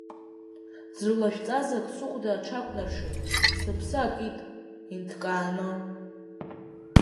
Ӡырлашәҵас ак сыхәда аҽакәнаршеит, сыԥсы акит, инҭкааны…